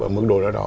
ở mức độ đó